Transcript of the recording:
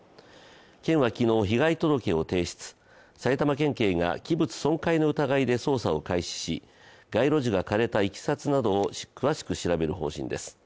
県は昨日被害届を提出、埼玉県警が器物損壊の疑いで捜査を開始し、街路樹が枯れたいきさつなどを詳しく調べる方針です。